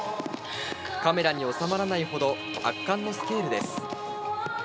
カメラに収まらないほど圧巻のスケールです。